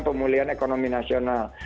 pemulihan ekonomi nasional